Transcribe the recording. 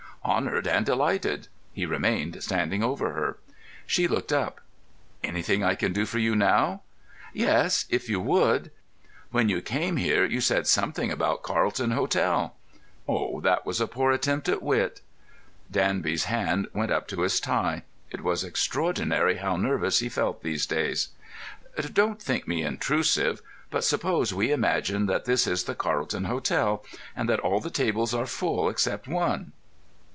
"Honoured and delighted." He remained standing over her. She looked up. "Anything I can do for you, now?" "Yes, if you would. When you came here you said something about Carlton Hotel." "Oh, that was a poor attempt at wit." Danby's hand went up to his tie. It was extraordinary how nervous he felt these days. "Don't think me intrusive, but suppose we imagine that this is the Carlton Hotel, and that all the tables are full except one."